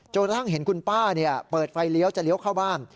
กระทั่งเห็นคุณป้าเปิดไฟเลี้ยวจะเลี้ยวเข้าบ้าน